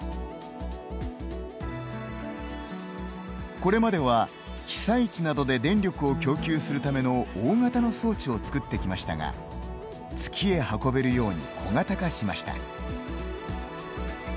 これまでは被災地などで電力を供給するための大型の装置を作ってきましたが月へ運べるように小型化しました。